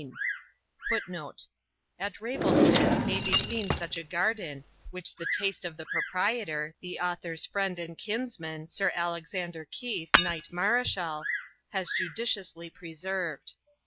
[Footnote: Footnote: At Ravelston may be seen such a garden, which the taste of the proprietor, the author's friend and kinsman, Sir Alexander Keith, Knight Mareschal, has judiciously preserved.